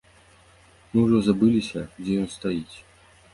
Мы ўжо забыліся, дзе ён стаіць.